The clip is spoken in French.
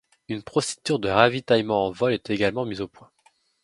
Une procédure de ravitaillement en vol est également mise au point.